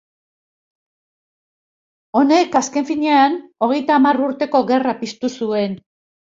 Honek, azken finean, Hogeita Hamar Urteko Gerra piztu zuen.